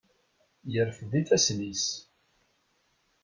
Yerfed ifassen-is.